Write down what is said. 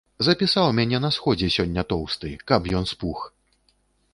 Запісаў мяне на сходзе сёння тоўсты, каб ён спух.